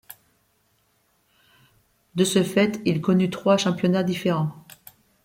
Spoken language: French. De ce fait, il connut trois championnat différents.